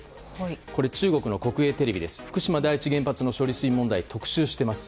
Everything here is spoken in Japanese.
これは中国の国営テレビで福島第一原発の処理水問題を特集しています。